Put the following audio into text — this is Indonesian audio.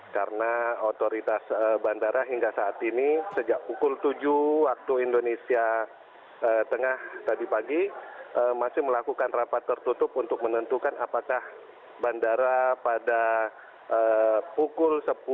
karena otoritas bandara hingga saat ini sejak pukul tujuh waktu indonesia tengah tadi pagi masih melakukan rapat tertutup untuk menentukan apakah bandara pada pukul